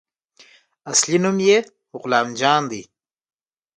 اصلي نوم يې غلام جان دى.